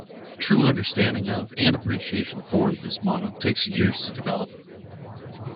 True understanding of, and appreciation for, this motto takes years to develop.